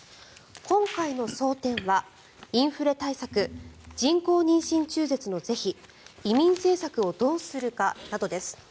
今回の争点はインフレ対策人工妊娠中絶の是非移民政策をどうするかなどです。